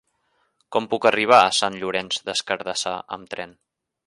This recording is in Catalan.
Com puc arribar a Sant Llorenç des Cardassar amb tren?